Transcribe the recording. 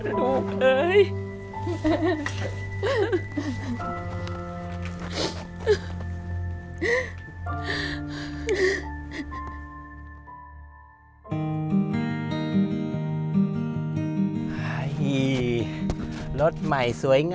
ลูกเอ้ย